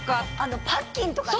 パッキンとかね！